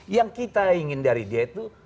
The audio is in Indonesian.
yang kita ingin dari dia itu